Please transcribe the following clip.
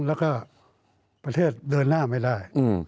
แล้วก็ประเทศเดินหน้าไม่ได้